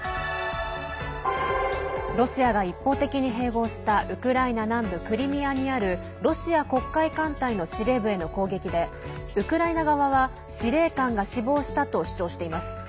ロシアが一方的に併合したウクライナ南部クリミアにあるロシア黒海艦隊の司令部への攻撃でウクライナ側は司令官が死亡したと主張しています。